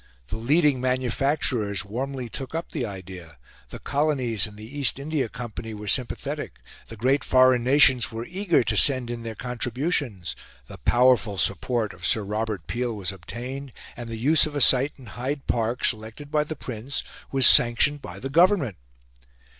The leading manufacturers warmly took up the idea; the colonies and the East India Company were sympathetic; the great foreign nations were eager to send in their contributions; the powerful support of Sir Robert Peel was obtained, and the use of a site in Hyde Park, selected by the Prince, was sanctioned by the Government.